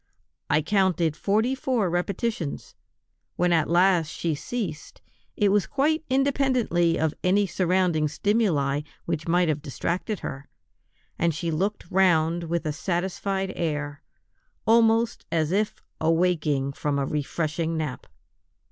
I counted forty four repetitions; when at last she ceased, it was quite independently of any surrounding stimuli which might have distracted her, and she looked round with a satisfied air, almost as if awaking from a refreshing nap.